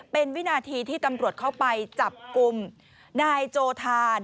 เป็นวินาทีที่ตำรวจเข้าไปจับกลุ่มนายโจทาน